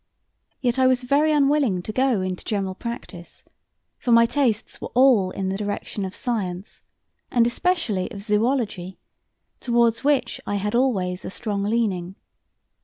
Yet I was very unwilling to go into general practice, for my tastes were all in the direction of science, and especially of zoology, towards which I had always a strong leaning.